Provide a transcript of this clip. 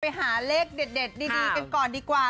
ไปหาเลขเด็ดดีกันก่อนดีกว่า